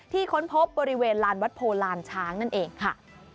ค้นพบบริเวณลานวัดโพลานช้างนั่นเองค่ะ